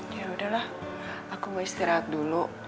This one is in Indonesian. ya udahlah aku mau istirahat dulu